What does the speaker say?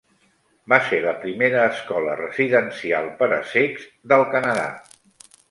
Va ser la primera escola residencial per a cecs del Canadà.